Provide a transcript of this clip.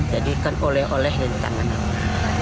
jadi kan oleh oleh dan ditangani